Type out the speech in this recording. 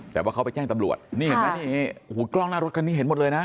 แต่ว่าเขาไปแจ้งตำรวจกรองหน้ารถเขาเห็นหมดเลยนะ